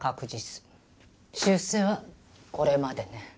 出世はこれまでね。